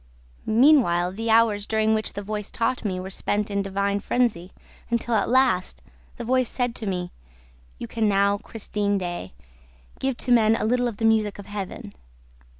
Meanwhile, the hours during which the voice taught me were spent in a divine frenzy, until, at last, the voice said to me, 'You can now, Christine Daae, give to men a little of the music of Heaven.'